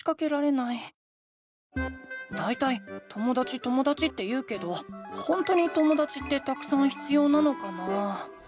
だいたいともだちともだちって言うけどほんとにともだちってたくさん必要なのかな？